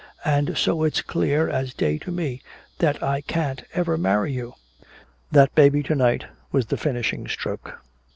And so it's clear as day to me that I can't ever marry you! That baby to night was the finishing stroke!"